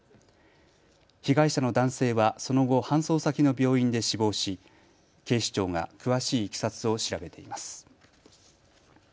被害者の男性はその後、搬送先の病院で死亡し警視庁が詳しいいきさつを調べています。